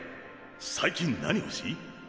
最近何欲しい？